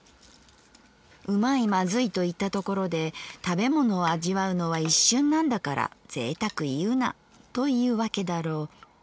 うまいまずいと言ったところで食物を味わうのは一瞬なんだから贅沢言うなというわけだろう。